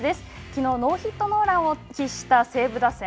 きのう、ノーヒットノーランを喫した西武打線。